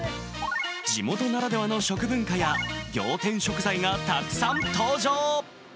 地元ならではの食文化や仰天食材がたくさん登場。